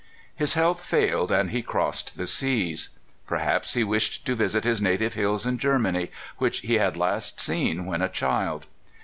His health failed, and he crossed the seas. Per haps he wished to visit his native hills in Germany, which he had last seen when a child.